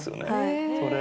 それ。